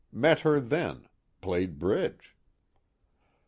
Met her then. Played bridge."